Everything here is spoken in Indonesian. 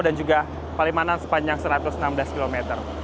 dan juga palimanan sepanjang satu ratus enam belas km